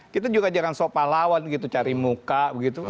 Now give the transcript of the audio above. kita juga jangan sopa lawan gitu cari muka begitu